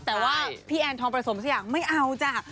แต่ว่าพี่แอนทองประสมสักอย่างไม่เอาจ้ะ